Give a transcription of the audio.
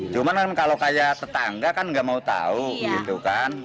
cuma kan kalau kayak tetangga kan gak mau tau gitu kan